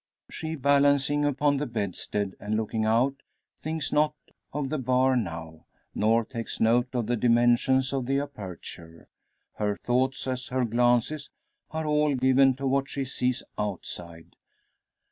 She balancing upon the bedstead, and looking out, thinks not of the bar now, nor takes note of the dimensions of the aperture. Her thoughts, as her glances, are all given to what she sees outside.